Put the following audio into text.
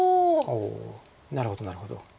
おおなるほどなるほど。